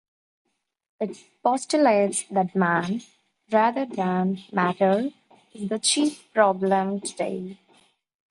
It postulates that man, rather than matter, is the chief problem today.